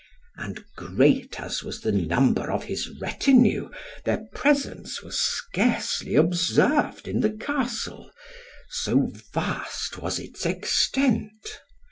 And great as was the number of his retinue, their presence was scarcely observed in the Castle, so vast was its extent.